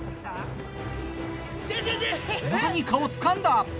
何かをつかんだ。